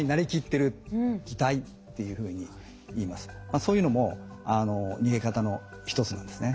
そういうのも逃げ方の一つなんですね。